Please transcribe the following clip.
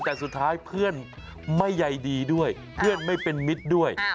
แต่สุดท้ายเพื่อนไม่ใยดีด้วยเพื่อนไม่เป็นมิตรด้วย